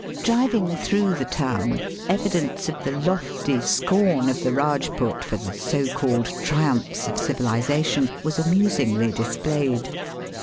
Driving through the town evidence of the lofty scorn of the Eajput for the so called triumphs of civilization was amusingly dis played.